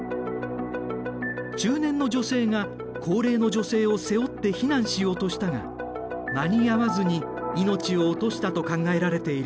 中年の女性が高齢の女性を背負って避難しようとしたが間に合わずに命を落としたと考えられている。